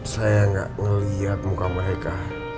saya nggak melihat muka mereka